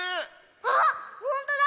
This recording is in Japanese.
あっほんとだ！